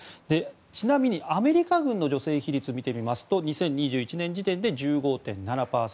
ちなみに、アメリカ軍の女性比率を見てみますと２０２１年時点で１５．７％。